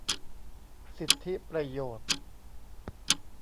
สิทธิประโยชน์